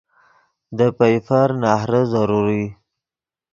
دے پئیفر نہرے ضروری